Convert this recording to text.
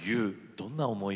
どんな思い